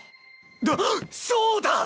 あっそうだ！